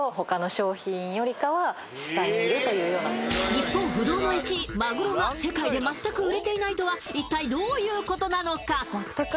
日本不動の１位、まぐろが世界で全く売れていないとは一体どういうことなのか？